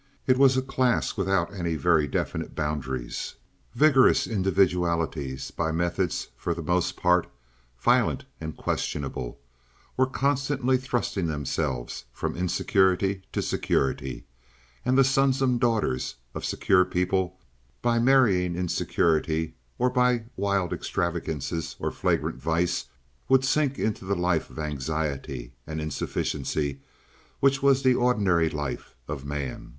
It was a class without any very definite boundaries; vigorous individualities, by methods for the most part violent and questionable, were constantly thrusting themselves from insecurity to security, and the sons and daughters of secure people, by marrying insecurity or by wild extravagance or flagrant vice, would sink into the life of anxiety and insufficiency which was the ordinary life of man.